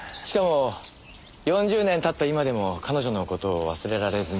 しかも４０年経った今でも彼女の事を忘れられずにいる。